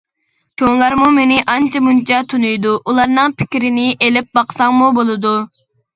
چوڭلارمۇ مېنى ئانچە-مۇنچە تونۇيدۇ، ئۇلارنىڭ پىكرىنى ئېلىپ باقساڭمۇ بولىدۇ.